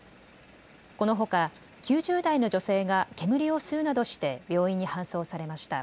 このほか９０代の女性が煙を吸うなどして病院に搬送されました。